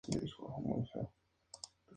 Integra el Ministerio Público.